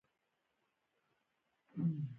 حاجي ګک د اسیا د وسپنې لوی کان دی